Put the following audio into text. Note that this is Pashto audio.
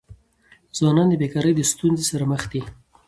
ځوانان د بېکاری د ستونزي سره مخ دي.